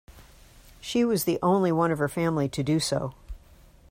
She was the only one of her family to do so.